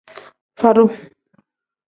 Fadu.